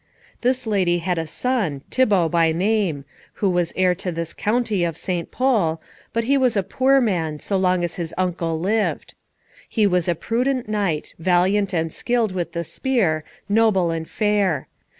This lady had a son, Thibault by name, who was heir to this County of St. Pol, but he was a poor man so long as his uncle lived. He was a prudent knight, valiant and skilled with the spear, noble and fair.